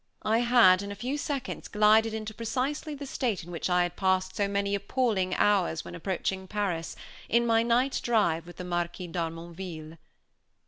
I had in a few seconds glided into precisely the state in which I had passed so many appalling hours when approaching Paris, in my night drive with the Marquis d'Harmonville.